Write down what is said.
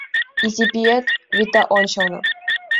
Изи пиет - вӱта ончылно